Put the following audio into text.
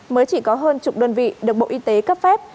mới chỉ có hơn chục đơn vị được bộ y tế cấp phép